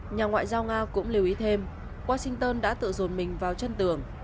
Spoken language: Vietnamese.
nhà ngoại giao nga cũng lưu ý thêm washington đã tự dồn mình vào chân tưởng